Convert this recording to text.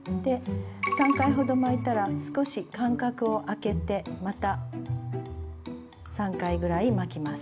３回ほど巻いたら少し間隔を空けてまた３回ぐらい巻きます。